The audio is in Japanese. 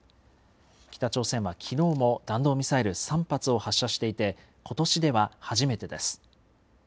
北朝鮮はきのうも弾道ミサイル３発を発射していて、ことしでは初めてです。